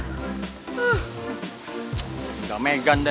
cukup gak megan deh